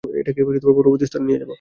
এটাকে পরবর্তী স্তরে নিয়ে যাব।